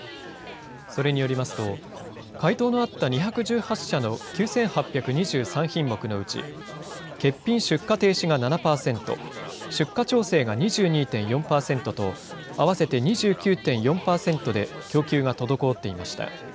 それによりますと、回答があった２１８社の９８２３品目のうち、欠品・出荷停止が７％、出荷調整が２２．４％と、合わせて２９．４％で供給が滞っていました。